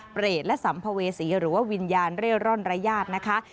เปรตและสัมภเวษีหรือว่าวิญญาณเร่ร่อนระยาทนะคะ